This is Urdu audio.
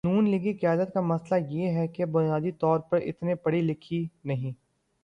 نون لیگی قیادت کا مسئلہ یہ ہے کہ بنیادی طور پہ اتنے پڑھی لکھی نہیں۔